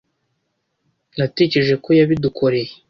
Natekereje ko yabidukoreye.